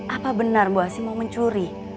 apa benar mbok asy mau mencuri